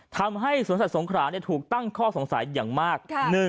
ทำให้สวนสัตว์สงขราถูกตั้งข้อสงสัยอย่างมาก